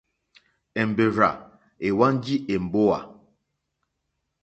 Èmbèrzà èhwánjì èmbówà.